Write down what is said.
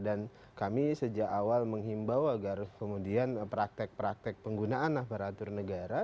dan kami sejak awal menghimbau agar kemudian praktek praktek penggunaan aparatur negara